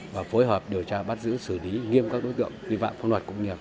và phối hợp điều tra bắt giữ xử lý nghiêm các đối tượng vi phạm pháp luật công nghiệp